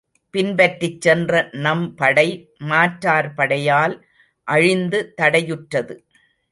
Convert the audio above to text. பின்பற்றிச் சென்ற நம் படை மாற்றார் படையால் அழிந்து தடை யுற்றது.